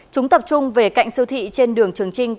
chúng tập trung về cạnh siêu thị trên đường trường trinh